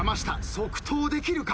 即答できるか。